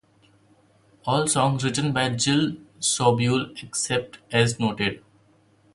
All songs written by Jill Sobule except as noted.